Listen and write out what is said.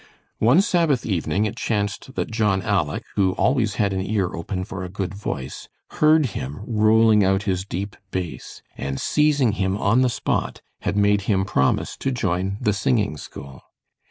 One Sabbath evening, it chanced that John "Aleck," who always had an ear open for a good voice, heard him rolling out his deep bass, and seizing him on the spot, had made him promise to join the singing school.